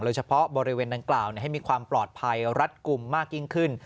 เฉพาะบริเวณดังกล่าวให้มีความปลอดภัยรัดกลุ่มมากยิ่งขึ้น